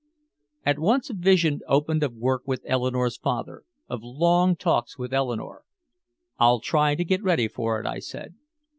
At once a vision opened of work with Eleanore's father, of long talks with Eleanore. "I'll try to get ready for it," I said.